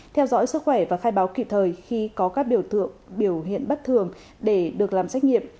theo dõi sức khỏe và khai báo kịp thời khi có các biểu hiện bất thường để được làm trách nhiệm